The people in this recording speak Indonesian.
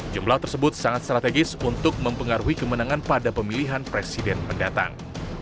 jumlah tersebut sangat strategis untuk mempengaruhi kemenangan pada pemilihan presiden mendatang